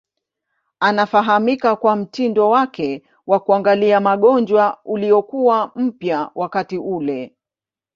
Anafahamika kwa mtindo wake wa kuangalia magonjwa uliokuwa mpya wakati ule.